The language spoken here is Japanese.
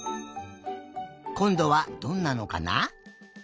こんどはどんなのかな。